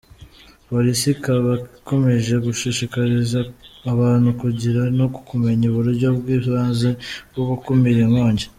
Police ikaba ikomeje gushishikariza abantu kugira no kumenya uburyo bw’ibanze bwo gukumira inkongi.